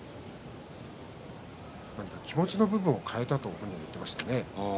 何か気持ちの部分を変えたと本人は言っていましたね。